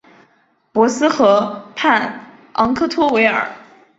博斯河畔昂克托维尔。